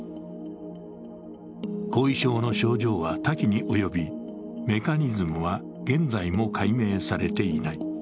後遺症の症状は多岐に及び、メカニズムは現在も解明されていない。